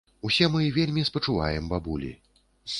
Усе мы вельмі спачуваем бабулі.